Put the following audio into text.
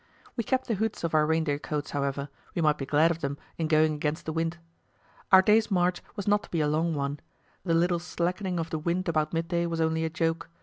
We kept the hoods of our reindeer coats, however; we might be glad of them in going against the wind. Our day's march was not to be a long one; the little slackening of the wind about midday was only a joke.